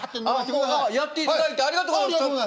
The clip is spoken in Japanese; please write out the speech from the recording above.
やっていただいてありがとうございます。